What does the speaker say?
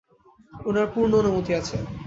উনার পূর্ণ অনুমতি আছে।